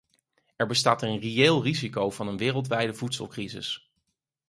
Er bestaat een reëel risico van een wereldwijde voedselcrisis.